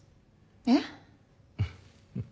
えっ？